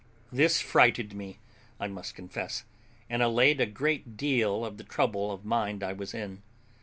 This frighted me, I must confess, and allayed a great deal of the trouble of mind I was in.